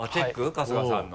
春日さんの。